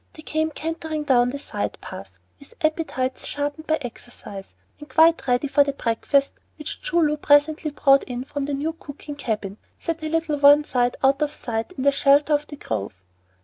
They came cantering down the side pass, with appetites sharpened by exercise, and quite ready for the breakfast which Choo Loo presently brought in from the new cooking cabin, set a little one side out of sight, in the shelter of the grove.